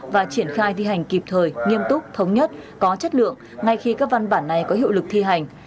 và triển khai thi hành kịp thời nghiêm túc thống nhất có chất lượng ngay khi các văn bản này có hiệu lực thi hành